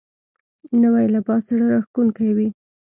نوی لباس زړه راښکونکی وي